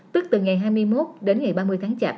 tức từ ngày hai mươi một đến ngày ba mươi tháng chạp